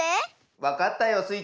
わかったよスイ